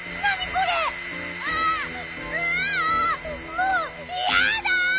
もういやだ！